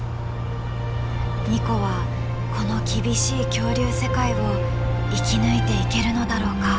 ニコはこの厳しい恐竜世界を生き抜いていけるのだろうか。